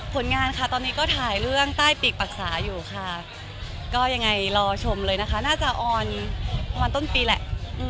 ผลงานค่ะตอนนี้ก็ถ่ายเรื่องใต้ปีกปรึกษาอยู่ค่ะก็ยังไงรอชมเลยนะคะน่าจะออนประมาณต้นปีแหละ